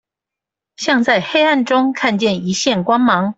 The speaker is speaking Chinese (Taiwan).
像在黑暗中看見一線光芒